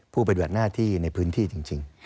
ปฏิบัติหน้าที่ในพื้นที่จริง